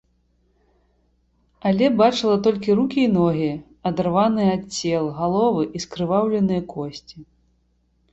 Але бачыла толькі рукі і ногі, адарваныя ад цел, галовы і скрываўленыя косці.